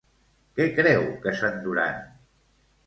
Què creu que s'enduran?